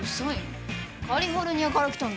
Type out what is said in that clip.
カリフォルニアから来たんだよ。